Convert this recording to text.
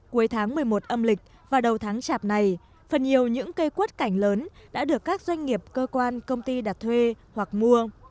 cuối tháng một mươi một âm lịch và đầu tháng chạp này phần nhiều những cây quất cảnh lớn đã được các doanh nghiệp cơ quan công ty đặt thuê hoặc mua